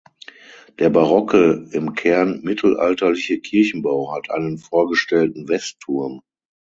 Der barocke im Kern mittelalterliche Kirchenbau hat einen vorgestellten Westturm.